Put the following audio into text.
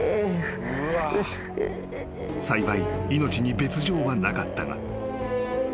［幸い命に別条はなかったが］